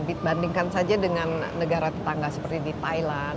dibandingkan saja dengan negara tetangga seperti di thailand